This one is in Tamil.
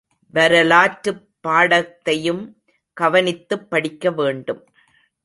வரலாற்றுப் பாடத்தையும் கவனித்துப் படிக்க வேண்டும்.